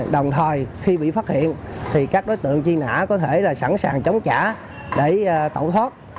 đồng thời khi bị phát hiện thì các đối tượng truy nã có thể là sẵn sàng chống trả để tẩu thoát